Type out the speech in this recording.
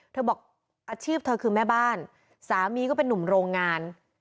บอกอาชีพเธอคือแม่บ้านสามีก็เป็นนุ่มโรงงาน